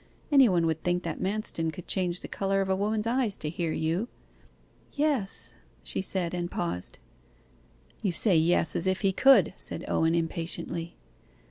Any one would think that Manston could change the colour of a woman's eyes to hear you.' 'Yes,' she said, and paused. 'You say yes, as if he could,' said Owen impatiently.